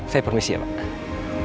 saya permisi pak